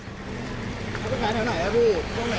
ฟังเสียงคนที่ไปรับของกันหน่อย